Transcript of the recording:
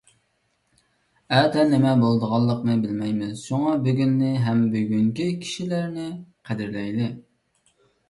ئەتە نېمە بولىدىغانلىقىنى بىلمەيمىز. شۇڭا بۈگۈننى ھەم بۈگۈنكى كىشىلەرنى قەدىرلەيلى!